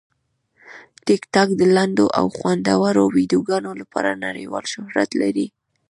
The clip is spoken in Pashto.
ټیکټاک د لنډو او خوندورو ویډیوګانو لپاره نړیوال شهرت لري.